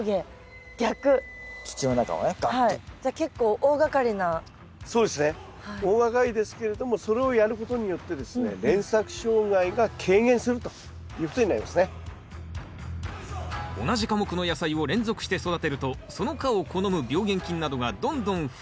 大がかりですけれどもそれをやることによってですね同じ科目の野菜を連続して育てるとその科を好む病原菌などがどんどん増える。